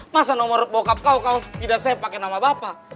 masa nomor bokap kau kau tidak sepakai nama bapak